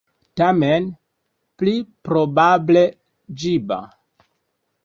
Tamen, pli probable, ĝiba.